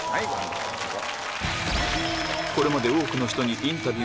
どうぞ。